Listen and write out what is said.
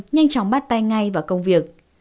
nhanh chóng bắt tay ngay vào công việc